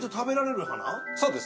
そうです。